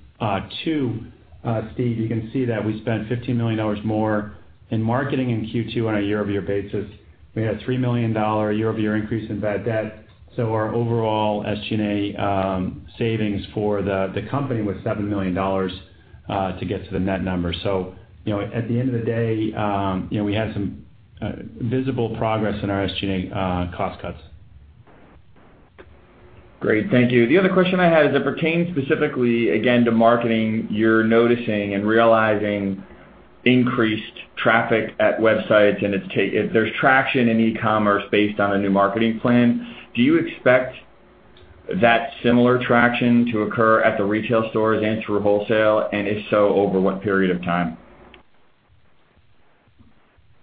Steve, you can see that we spent $15 million more in marketing in Q2 on a year-over-year basis. We had a $3 million year-over-year increase in bad debt, our overall SG&A savings for the company was $7 million to get to the net number. At the end of the day, we had some visible progress in our SG&A cost cuts. Great. Thank you. The other question I had, as it pertains specifically, again, to marketing, you're noticing and realizing increased traffic at websites, and there's traction in e-commerce based on a new marketing plan. Do you expect that similar traction to occur at the retail stores and through wholesale? If so, over what period of time?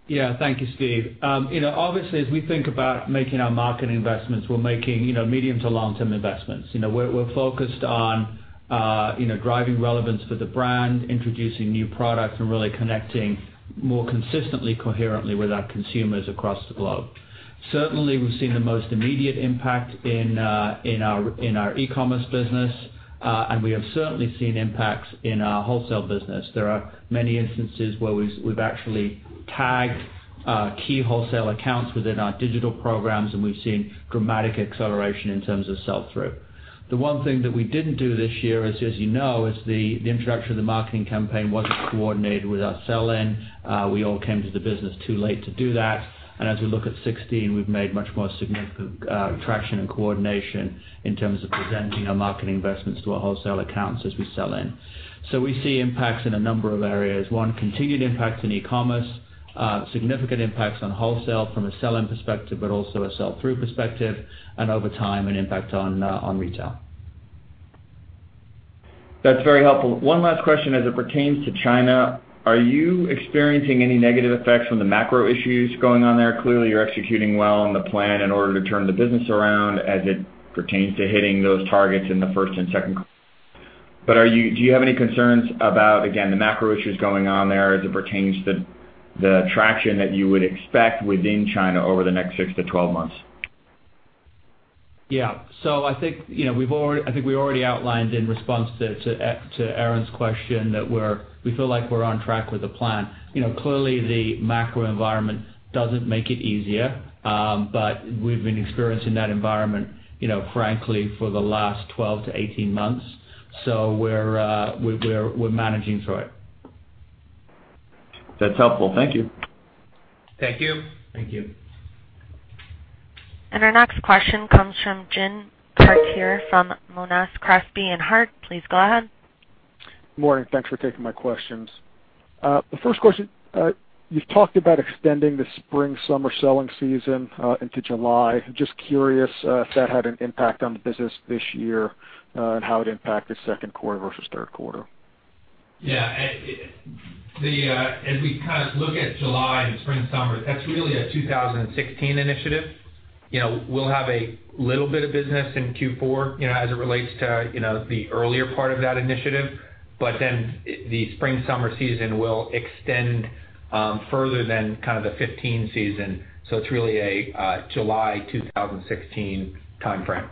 Yeah. Thank you, Steve. Obviously, as we think about making our marketing investments, we're making medium to long-term investments. We're focused on driving relevance for the brand, introducing new products, and really connecting more consistently coherently with our consumers across the globe. Certainly, we've seen the most immediate impact in our e-commerce business, and we have certainly seen impacts in our wholesale business. There are many instances where we've actually tagged key wholesale accounts within our digital programs, and we've seen dramatic acceleration in terms of sell-through. The one thing that we didn't do this year, as you know, is the introduction of the marketing campaign wasn't coordinated with our sell-in. We all came to the business too late to do that. As we look at 2016, we've made much more significant traction and coordination in terms of presenting our marketing investments to our wholesale accounts as we sell in. We see impacts in a number of areas. One, continued impact in e-commerce, significant impacts on wholesale from a sell-in perspective, but also a sell-through perspective, and over time, an impact on retail. That's very helpful. One last question, as it pertains to China, are you experiencing any negative effects from the macro issues going on there? Clearly, you're executing well on the plan in order to turn the business around as it pertains to hitting those targets in the first and second. Do you have any concerns about, again, the macro issues going on there as it pertains to the traction that you would expect within China over the next 6-12 months? Yeah. I think we already outlined in response to Erinn's question that we feel like we're on track with the plan. Clearly, the macro environment doesn't make it easier, we've been experiencing that environment, frankly, for the last 12-18 months. We're managing through it. That's helpful. Thank you. Thank you. Thank you. Our next question comes from Jim Parker from Monness, Crespi, Hardt. Please go ahead. Morning. Thanks for taking my questions. The first question, you've talked about extending the spring/summer selling season into July. Just curious if that had an impact on the business this year and how it impacted second quarter versus third quarter. Yeah. As we kind of look at July and spring/summer, that's really a 2016 initiative. We'll have a little bit of business in Q4 as it relates to the earlier part of that initiative, the spring/summer season will extend further than kind of the 2015 season. It's really a July 2016 timeframe.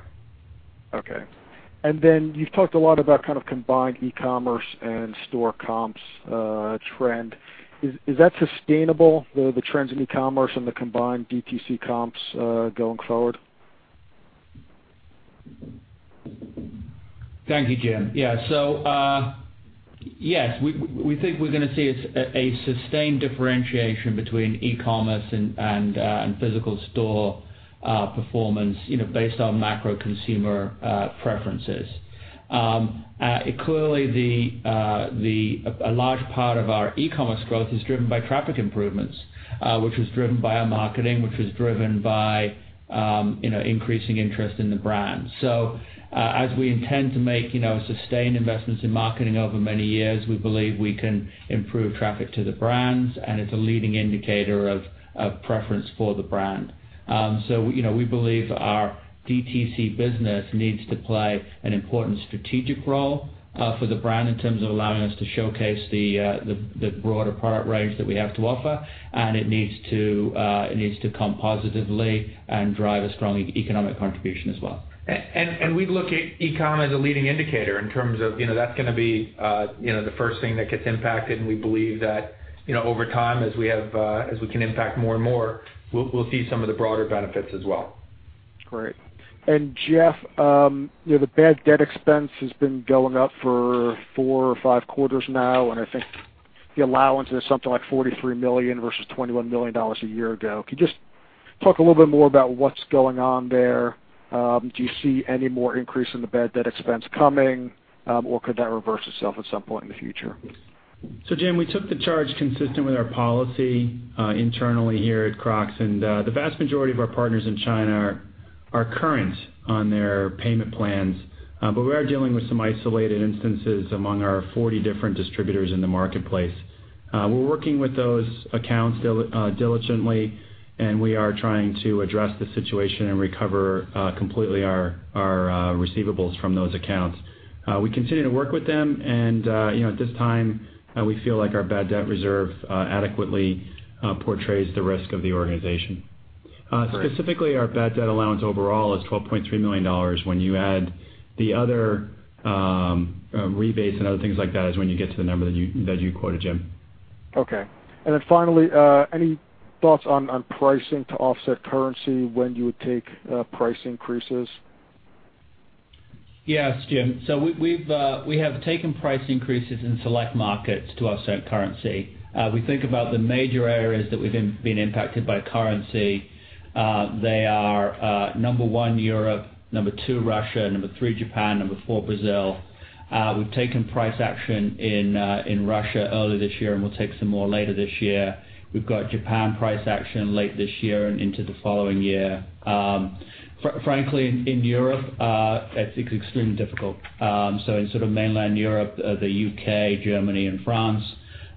Okay. You've talked a lot about kind of combined e-commerce and store comps trend. Is that sustainable, the trends in e-commerce and the combined DTC comps going forward? Thank you, Jim. Yes, we think we're going to see a sustained differentiation between e-commerce and physical store performance based on macro consumer preferences. Clearly, a large part of our e-commerce growth is driven by traffic improvements, which was driven by our marketing, which was driven by increasing interest in the brand. As we intend to make sustained investments in marketing over many years, we believe we can improve traffic to the brands, and it's a leading indicator of preference for the brand. We believe our DTC business needs to play an important strategic role for the brand in terms of allowing us to showcase the broader product range that we have to offer, and it needs to come positively and drive a strong economic contribution as well. We look at e-com as a leading indicator in terms of that's going to be the first thing that gets impacted. We believe that over time, as we can impact more and more, we'll see some of the broader benefits as well. Great. Jeff, the bad debt expense has been going up for four or five quarters now, and I think the allowance is something like $43 million versus $21 million a year ago. Can you just talk a little bit more about what's going on there? Do you see any more increase in the bad debt expense coming? Could that reverse itself at some point in the future? Jim, we took the charge consistent with our policy internally here at Crocs, the vast majority of our partners in China are current on their payment plans. We are dealing with some isolated instances among our 40 different distributors in the marketplace. We're working with those accounts diligently, we are trying to address the situation and recover completely our receivables from those accounts. We continue to work with them, at this time, we feel like our bad debt reserve adequately portrays the risk of the organization. Specifically, our bad debt allowance overall is $12.3 million. When you add the other rebates and other things like that is when you get to the number that you quoted, Jim. Finally, any thoughts on pricing to offset currency, when you would take price increases? Yes, Jim. We have taken price increases in select markets to offset currency. We think about the major areas that we've been impacted by currency. They are, number 1, Europe, number 2, Russia, number 3, Japan, number 4, Brazil. We've taken price action in Russia earlier this year, and we'll take some more later this year. We've got Japan price action late this year and into the following year. Frankly, in Europe, it's extremely difficult. In mainland Europe, the U.K., Germany, and France,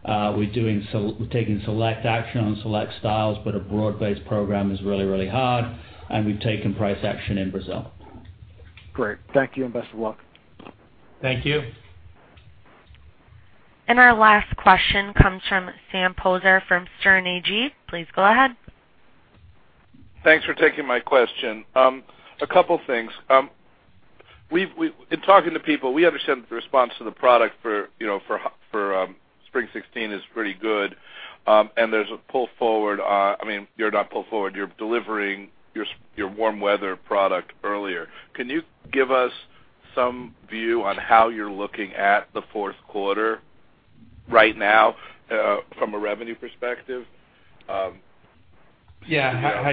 we're taking select action on select styles, but a broad-based program is really hard, and we've taken price action in Brazil. Great. Thank you, and best of luck. Thank you. Our last question comes from Sam Poser from Sterne Agee. Please go ahead. Thanks for taking my question. A couple things. In talking to people, we understand that the response to the product for spring 2016 is pretty good. I mean, you're not pull forward, you're delivering your warm weather product earlier. Can you give us some view on how you're looking at the fourth quarter right now, from a revenue perspective? Hi,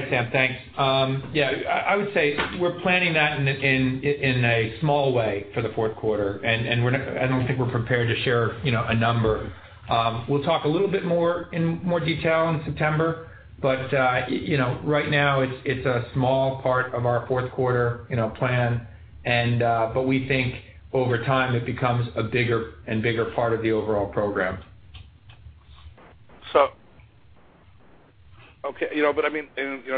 Sam. Thanks. I would say we're planning that in a small way for the fourth quarter. I don't think we're prepared to share a number. We'll talk a little bit more in more detail in September. Right now, it's a small part of our fourth quarter plan. We think over time, it becomes a bigger and bigger part of the overall program. Okay.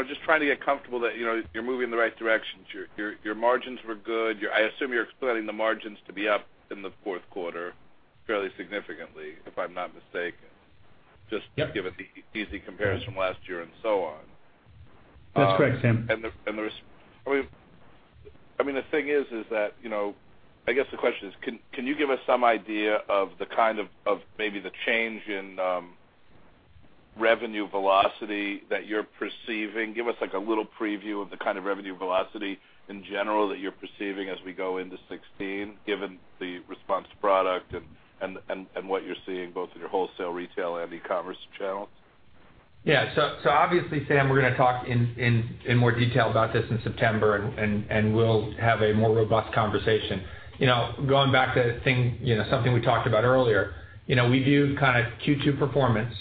Just trying to get comfortable that you're moving in the right direction. Your margins were good. I assume you're expecting the margins to be up in the fourth quarter fairly significantly, if I'm not mistaken. Yep. Just given the easy comparison last year and so on. That's correct, Sam. I guess the question is, can you give us some idea of maybe the change in revenue velocity that you're perceiving? Give us a little preview of the kind of revenue velocity in general that you're perceiving as we go into 2016, given the response to product and what you're seeing both in your wholesale, retail, and e-commerce channels. Yeah. Obviously, Sam, we're gonna talk in more detail about this in September, and we'll have a more robust conversation. Going back to something we talked about earlier. We view Q2 performance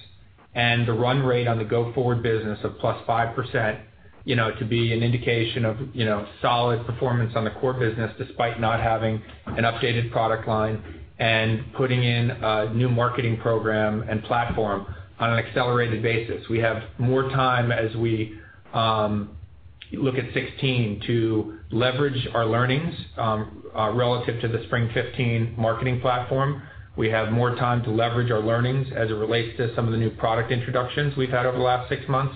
and the run rate on the go-forward business of plus 5%, to be an indication of solid performance on the core business, despite not having an updated product line and putting in a new marketing program and platform on an accelerated basis. We have more time as we look at 2016 to leverage our learnings relative to the spring 2015 marketing platform. We have more time to leverage our learnings as it relates to some of the new product introductions we've had over the last six months,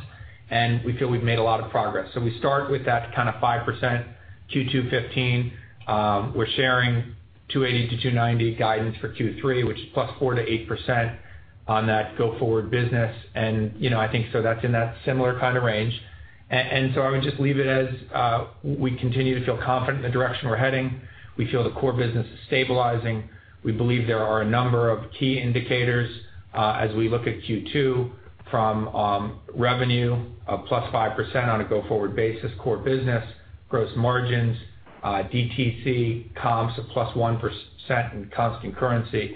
and we feel we've made a lot of progress. We start with that 5% Q2 2015. We're sharing $280-$290 guidance for Q3, which is +4%-8% on that go-forward business. I think that's in that similar kind of range. I would just leave it as, we continue to feel confident in the direction we're heading. We feel the core business is stabilizing. We believe there are a number of key indicators as we look at Q2, from revenue of +5% on a go-forward basis, core business, gross margins, DTC comps of +1% in constant currency,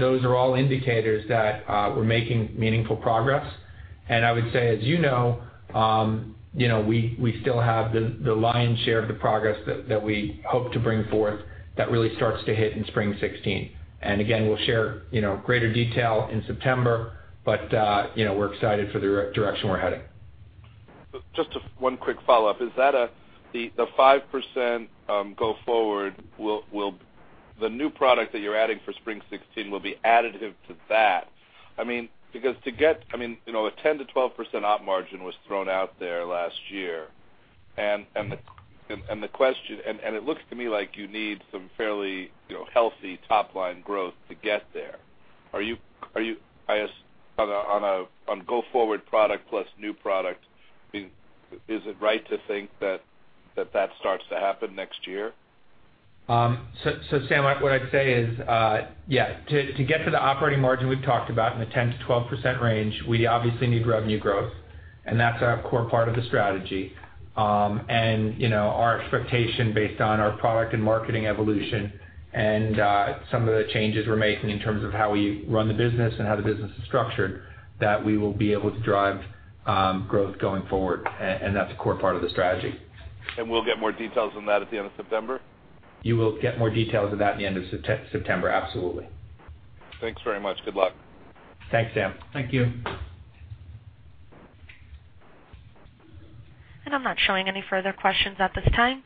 those are all indicators that we're making meaningful progress. I would say, as you know, we still have the lion's share of the progress that we hope to bring forth that really starts to hit in spring 2016. Again, we'll share greater detail in September, but we're excited for the direction we're heading. Just one quick follow-up. The 5% go forward, the new product that you're adding for spring 2016 will be additive to that. Because a 10%-12% op margin was thrown out there last year, it looks to me like you need some fairly healthy top-line growth to get there. On go forward product plus new product, is it right to think that starts to happen next year? Sam, what I'd say is, yeah. To get to the operating margin we've talked about in the 10%-12% range, we obviously need revenue growth, that's a core part of the strategy. Our expectation based on our product and marketing evolution and some of the changes we're making in terms of how we run the business and how the business is structured, that we will be able to drive growth going forward, that's a core part of the strategy. We'll get more details on that at the end of September? You will get more details on that at the end of September. Absolutely. Thanks very much. Good luck. Thanks, Sam. Thank you. I'm not showing any further questions at this time.